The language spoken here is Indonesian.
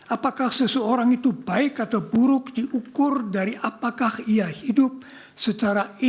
apakah seseorang itu baik atau buruk diukur dari apakah ia hidup secara ilega